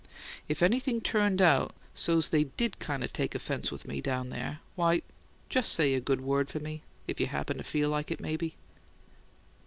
If anything turned out so's they DID kind of take offense with me, down there, why, just say a good word for me if you'd happen to feel like it, maybe."